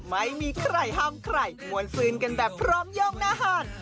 ไม่มีใครห้ามใครมวลซืนกันแบบพร้อมย่องอาหาร